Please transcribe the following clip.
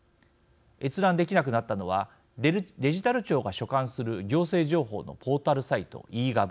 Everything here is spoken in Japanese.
閲覧できなくなったのはデジタル庁が所管する行政情報のポータルサイト「ｅ−Ｇｏｖ」